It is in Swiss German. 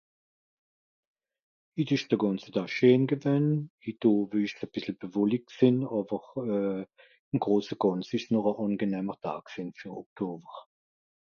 Hitt ìsch de gànze Daa scheen gewänn, hitt Owe ìsch's e bìssel bewollickt gsìnn, àwer euh... ìm grose gànze ìsch s noch e àngenehmer Daa gsìnn fer Oktower.